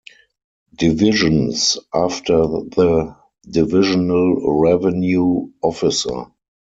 Divisions' after the 'Divisional Revenue Officer'.